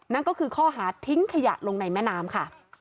นั่นก็คือข้อหาทิ้งขยะลงในแม่น้ำค่ะ